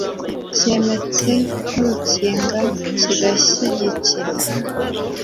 kiremetse nk’urukinga kigashyigikirwa